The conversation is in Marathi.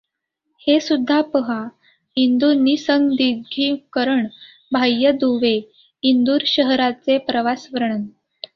हे सुद्धा पहा इंदूर निःसंदिग्धीकरण बाह्य दुवे इंदूर शहराचे प्रवासवर्णन.